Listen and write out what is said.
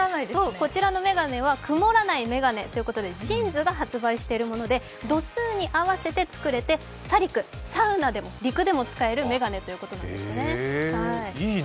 こちらの眼鏡は曇らない眼鏡ということでＪＩＮＳが発売していまして度数に合わせて作れてサ陸、サウナでも陸でも使える眼鏡なんだそうです。